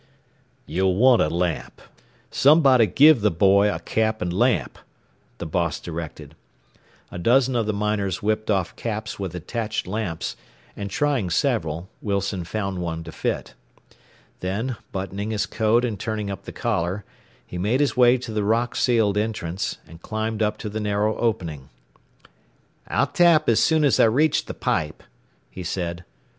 "You'll want a lamp. Somebody give the boy a cap and lamp," the boss directed. A dozen of the miners whipped off caps with attached lamps, and trying several, Wilson found one to fit. Then, buttoning his coat and turning up the collar, he made his way to the rock sealed entrance, and climbed up to the narrow opening. "I'll tap as soon as I reach the pipe," he said.